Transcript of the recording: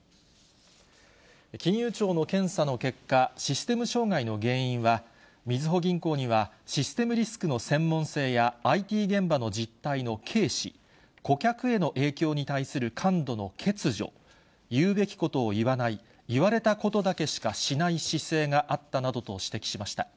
金融庁の検査の結果、システム障害の原因は、みずほ銀行にはシステムリスクの専門性や、ＩＴ現場の実態の軽視、顧客への影響に対する感度の欠如、言うべきことを言わない、言われたことだけしかしない姿勢があったなどと指摘しました。